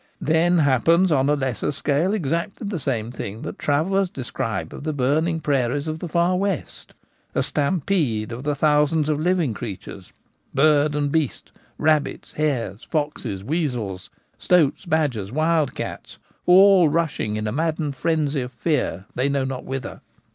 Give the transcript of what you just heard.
Then happens on a lesser scale exactly the same thing that travellers describe of the burning prairies of the Far West — a stampede of the thousands of living creatures, bird and beast : rabbits, hares, foxes, weasels, stoats, badgers, wild cats, all rushing in a maddened frenzy of fear they know not whither.